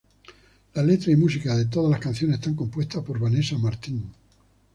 La letra y música de todas las canciones está compuesta por Vanesa Martín.